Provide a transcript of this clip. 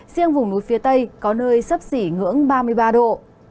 riêng vùng núi phía tây có nơi sấp xỉ ngưỡng ba mươi ba độ